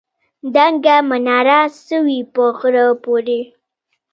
دنګه مناره څه وي په غره پورې.